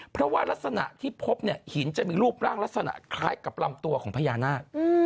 เพราะว่ารักษณะที่พบเนี่ยหินจะมีรูปร่างลักษณะคล้ายกับลำตัวของพญานาค